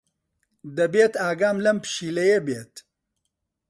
دەبێت ئاگام لەم پشیلەیە بێت.